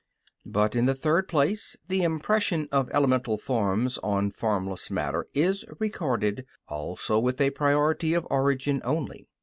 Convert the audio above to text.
But in the third place the impression of elemental forms on formless matter is recorded, also with a priority of origin only.